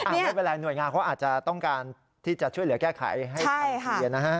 ไม่เป็นไรหน่วยงานเขาอาจจะต้องการที่จะช่วยเหลือแก้ไขให้ทันทีนะฮะ